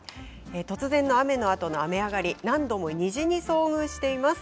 突然の雨のあとの雨上がり何度も虹に遭遇しています。